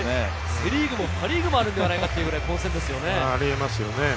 セ・リーグもパ・リーグもあるんじゃないかっていうくらい混戦ですよね。